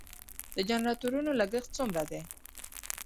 د جنراتورونو لګښت څومره دی؟